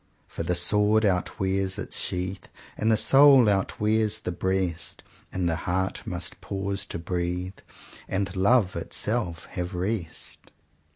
"For the sword outwears its sheath, And the soul outwears the breast; And the heart must pause to breathe; And love itself have rest."